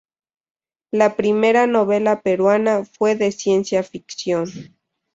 La primera novela peruana fue de ciencia ficción.